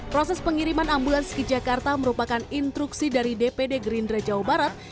proses pengiriman ambulans ke jakarta merupakan instruksi dari dpd gerindra jawa barat